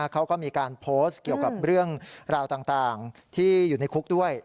เขาก็มีการโพสต์เกี่ยวกับเรื่องราวต่างที่อยู่ในคุกด้วย